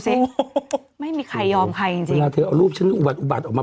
ไม่มีใครยอมใครจริงจริงเวลาเธอเอารูปฉันอุบัติอุบัติออกมา